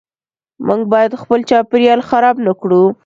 موږ باید خپل چاپیریال خراب نکړو .